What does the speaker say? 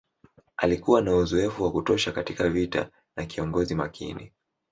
Alikuwa na uzoefu wa kutosha katika vita na kiongozi makini